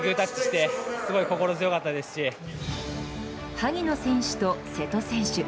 萩野選手と瀬戸選手。